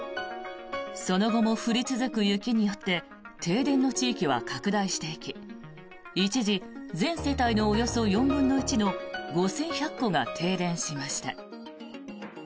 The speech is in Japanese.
その後も降り続く雪によって停電の地域は拡大していき一時、全世帯のおよそ４分の１の５１００戸が停電しました。